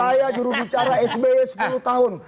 saya jurubicara sby sepuluh tahun